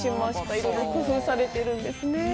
いろいろ工夫されているんですね。